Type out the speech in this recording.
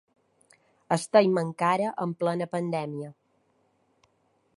Estem encara en plena pandèmia.